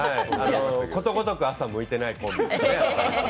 ことごとく朝向いてないコンビですね。